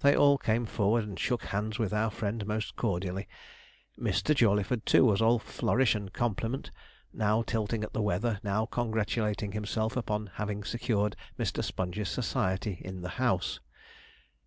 They all came forward and shook hands with our friend most cordially. Mr. Jawleyford, too, was all flourish and compliment; now tilting at the weather, now congratulating himself upon having secured Mr. Sponge's society in the house.